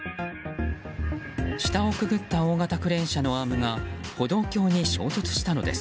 下をくぐった大型クレーン車のアームが歩道橋に衝突したのです。